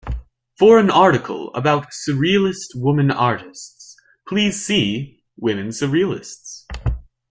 For an article about Surrealist women artists, please see Women Surrealists.